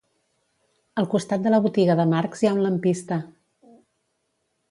Al costat de la botiga de marcs hi ha un lampista